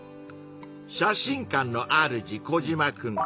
写真館のあるじコジマくん。